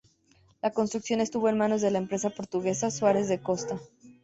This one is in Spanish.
La construcción estuvo en manos de la empresa portuguesa Soares da Costa.